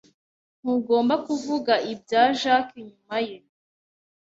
Ntugomba kuvuga ibya Jack inyuma ye.